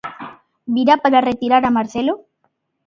Virá para retirar a Marcelo?